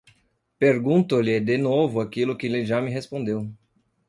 pergunto-lhe de novo aquilo a que ele já me respondeu